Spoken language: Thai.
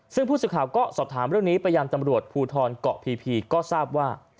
ซึ่งผู้สื่อข่าวก็สอบถามเรื่องนี้ไปยังตำรวจภูทรเกาะพีก็ทราบว่า